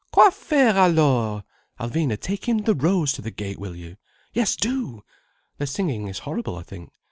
"Quoi faire, alors! Alvina, take him the rose to the gate, will you? Yes do! Their singing is horrible, I think.